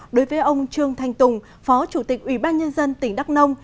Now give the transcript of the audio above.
đối với ông trương thanh tùng phó chủ tịch ủy ban nhân dân tỉnh đắk nông